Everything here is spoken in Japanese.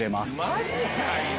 マジかいな。